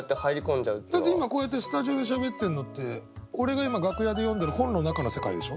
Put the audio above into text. だって今こうやってスタジオでしゃべってんのって俺が今楽屋で読んでる本の中の世界でしょ？